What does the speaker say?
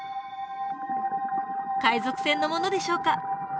海賊船のものでしょうか？